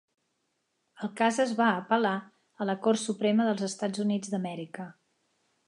El cas es va apel·lar a la Cort Suprema dels Estats Units d'Amèrica.